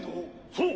そう。